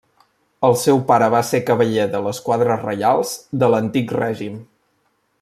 El seu pare va ser cavaller de les quadres reials de l'Antic règim.